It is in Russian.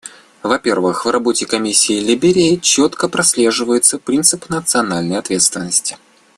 Во-первых, в работе Комиссии в Либерии четко прослеживается принцип национальной ответственности.